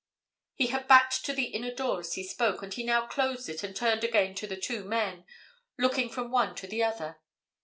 He had backed to the inner door as he spoke, and he now closed it and turned again to the two men, looking from one to the other.